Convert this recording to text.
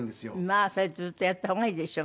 まあそれずっとやった方がいいでしょ